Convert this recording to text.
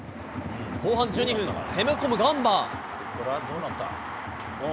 後半１２分、攻め込むガンバ。